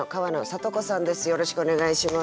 よろしくお願いします。